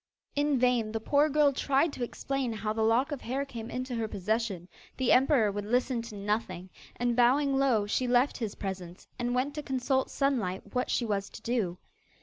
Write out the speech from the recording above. In vain the poor girl tried to explain how the lock of hair came into her possession; the emperor would listen to nothing, and, bowing low, she left his presence and went to consult Sunlight what she was to do.